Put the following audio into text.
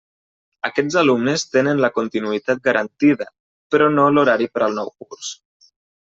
Aquests alumnes tenen la continuïtat garantida, però no l'horari per al nou curs.